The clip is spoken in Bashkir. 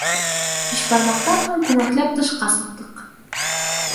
Бишбармаҡтан һуң күмәкләп тышҡа сыҡтыҡ